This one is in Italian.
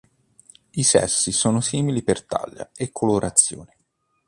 I sessi sono simili per taglia e colorazione.